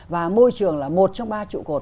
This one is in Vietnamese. và môi trường là một trong ba trụ cột